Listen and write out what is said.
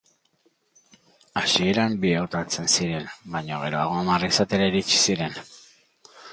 Hasieran bi hautatzen ziren, baina geroago hamar izatera iritsi ziren.